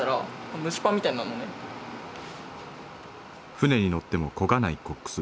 船に乗っても漕がないコックス。